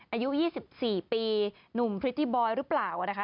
อายุ๒๔ปีหนุ่มพริตตี้บอยหรือเปล่านะคะ